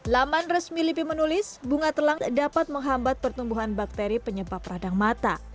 laman resmi lipi menulis bunga telang dapat menghambat pertumbuhan bakteri penyebab radang mata